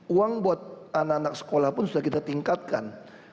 uang buat anak anak sekolah pun sudah kita tingkatkan